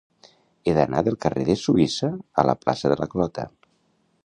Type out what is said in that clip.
He d'anar del carrer de Suïssa a la plaça de la Clota.